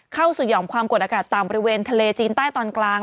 หย่อมความกดอากาศต่ำบริเวณทะเลจีนใต้ตอนกลาง